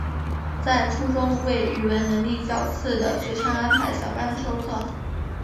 在初中为语文能力较次的学生安排小班授课。